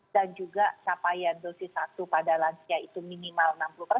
dan juga capaian dosis satu pada lansia itu minimal